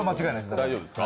大丈夫ですか。